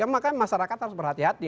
maka masyarakat harus berhati hati